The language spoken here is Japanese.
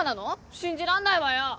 信じらんないわよ！